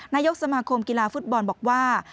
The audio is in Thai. นายกสมาคมกีฬาฟุตบอลบอกว่า